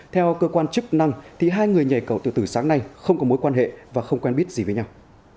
theo cơ quan chức năng thì hai người nhảy cầu tự tử sáng nay không có mối quan hệ và không quen biết gì với nhau